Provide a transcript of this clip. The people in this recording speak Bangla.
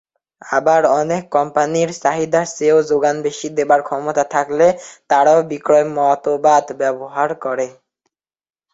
আবার অনেক কোম্পানীর, চাহিদার চেয়েও যোগান বেশি দেবার ক্ষমতা থাকলে তারাও বিক্রয় মতবাদ ব্যবহার করে।